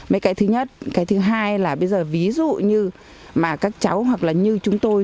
mấy cái thứ nhất cái thứ hai là bây giờ ví dụ như mà các cháu hoặc là như chúng tôi